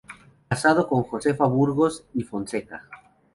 Casado con Josefa Burgos y Fonseca.